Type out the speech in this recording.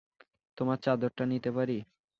তোমার চাদরটা নিতে পারি?